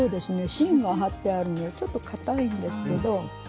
芯が貼ってあるのでちょっとかたいんですけど。